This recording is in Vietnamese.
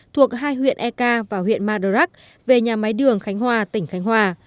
thuộc hai huyện ek và huyện madarak về nhà máy đường khánh hòa tỉnh khánh hòa